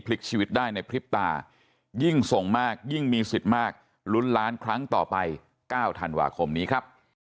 พลิกชีวิตได้ในพริบตายิ่งส่งมากยิ่งมีสิทธิ์มากลุ้นล้านครั้งต่อไป๙ธันวาคมนี้ครับ